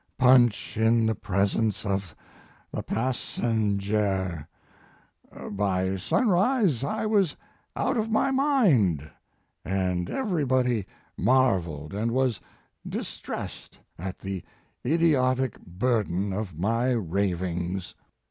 punch in the presence of the passanjare." By sunrise I was out of my mind, and everybody marvelled and was distressed at the idiotic burden of my ravings.